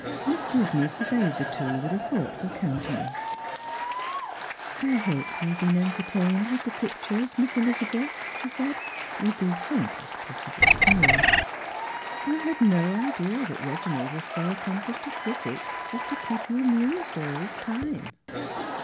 Miss Disney surveyed the two with a thoughtful countenance. " I hope you have been entertained with the pictures, Miss Elizabeth," she said, with the faintest possible sneer ;" I had no idea that Eeginald was so accomplished a critic as to keep you amused all this time."